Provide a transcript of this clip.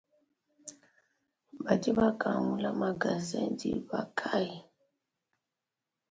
Badi bakangula magazen diba kayi ?